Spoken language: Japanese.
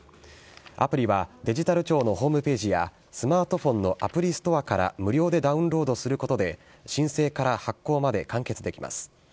アプリはデジタル庁のホームページや、スマートフォンのアプリストアから無料でダウンロードすることで、申請から発行まで完結できます。